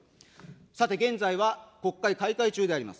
さて現在は、国会開会中であります。